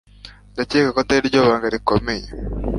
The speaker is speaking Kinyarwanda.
ndakeka ko atariryo banga rikomeye